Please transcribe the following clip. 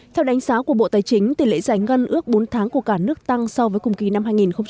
theo đánh giá của bộ tài chính tỷ lệ giải ngân ước bốn tháng của cả nước tăng so với cùng kỳ năm hai nghìn một mươi chín